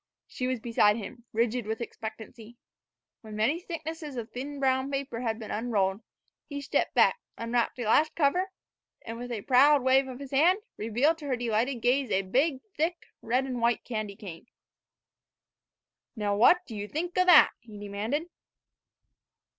She was beside him, rigid with expectancy. When many thicknesses of thin brown paper had been unrolled, he stepped back, unwrapped a last cover, and, with a proud wave of his hand, revealed to her delighted gaze a big, thick, red and white candy cane. "Now, what do ye think o' that?" he demanded.